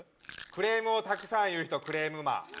クレームをたくさん言う人クレームマン